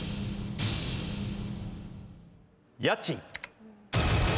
家賃。